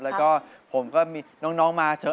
แล้วก็ผมก็มีน้องมาเชอะ